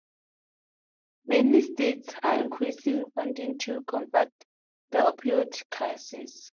Many states are increasing funding to combat the opioid crisis.